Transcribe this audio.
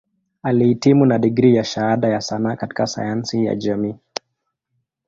Alihitimu na digrii ya Shahada ya Sanaa katika Sayansi ya Jamii.